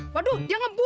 waduh dia ngebul